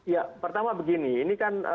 ya pertama begini ini kan